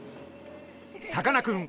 さかなクン